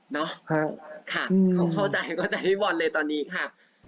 เนอะค่ะเข้าใจพี่บอลเลยตอนนี้ค่ะอืม